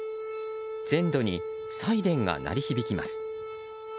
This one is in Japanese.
全土にサイレンが鳴り響きます。